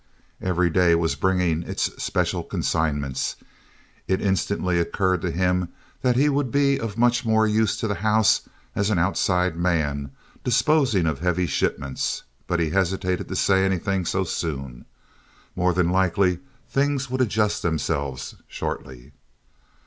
Every day was bringing its special consignments. It instantly occurred to him that he would be of much more use to the house as an outside man disposing of heavy shipments, but he hesitated to say anything so soon. More than likely, things would adjust themselves shortly.